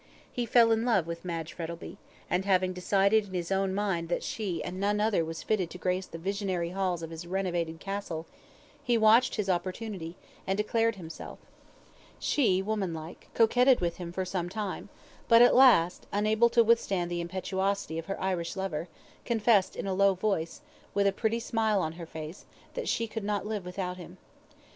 He fell in love with Madge Frettlby, and having decided in his own mind that she and none other was fitted to grace the visionary halls of his renovated castle, he watched his opportunity, and declared himself. She, woman like, coquetted with him for some time, but at last, unable to withstand the impetuosity of her Irish lover, confessed in a low voice, with a pretty smile on her face, that she could not live without him.